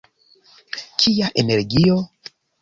Kia energio!